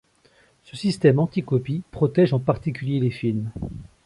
Ce système anti-copie protège en particulier les films.